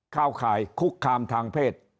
เข้าข่ายคุกคามทางเพศ